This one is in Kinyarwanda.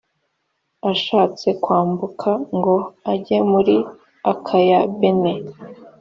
ashatse kwambuka ngo ajye muri akaya bene